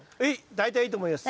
大体いいと思います。